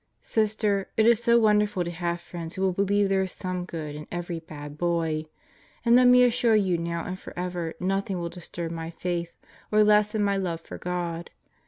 Sister, it is so wonderful to have friends who will believe there is some good in every bad boy! And let me assure you now and forever nothing will disturb my Faith or lessen my love for God.